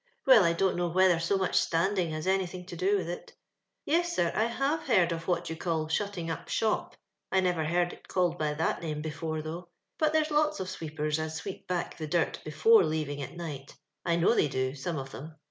Well, I don't know whether so much standing has anything to do with it " Yes, sir, I have heard of what yon call * shutting up shop.* I never heard it called by that name before, though ; but there's lots of sweepers as sweep back the dirt before leaving at night I know they do, some of them.